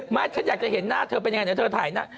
ฉันอยากจะเห็นหน้าเธอเป็นยังไงเดี๋ยวเธอถ่ายหน้า